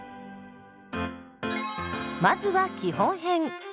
まずは基本編。